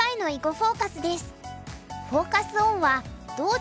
フォーカス・オンは「どう作るの？